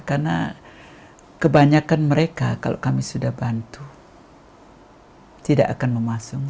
karena kebanyakan mereka kalau kami sudah bantu tidak akan memasung